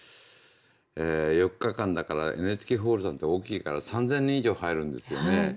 ４日間だからＮＨＫホールさんって大きいから３，０００人以上入るんですよね。